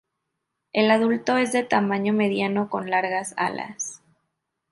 El adulto es de tamaño mediano con largas alas.